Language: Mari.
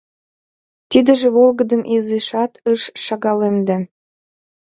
Тидыже волгыдым изишат ыш шагалемде.